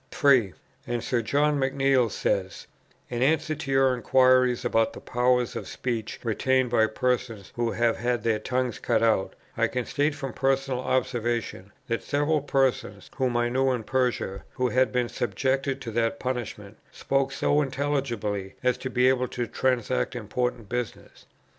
3. And Sir John McNeill says, "In answer to your inquiries about the powers of speech retained by persons who have had their tongues cut out, I can state from personal observation, that several persons whom I knew in Persia, who had been subjected to that punishment, spoke so intelligibly as to be able to transact important business....